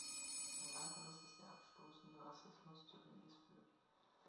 Ein weiteres ist der abstoßende Rassismus, zu dem dies führt.